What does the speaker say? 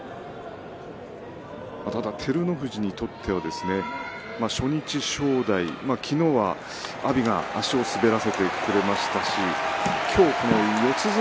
ただ照ノ富士にとっては初日、正代昨日は阿炎が足を滑らせましたし今日、四つ